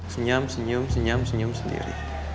senyam senyum senyum senyum sendiri